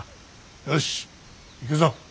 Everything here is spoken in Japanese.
よし行くぞ。